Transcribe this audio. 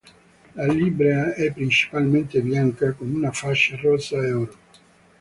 La livrea è principalmente bianca, con una fascia rossa e oro.